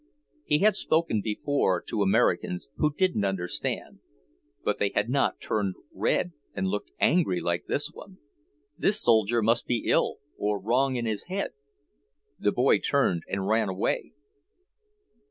He had spoken before to Americans who didn't understand, but they had not turned red and looked angry like this one; this soldier must be ill, or wrong in his head. The boy turned and ran away.